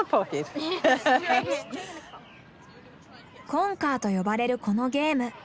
コンカーと呼ばれるこのゲーム。